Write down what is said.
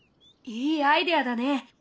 いいアイデアだね！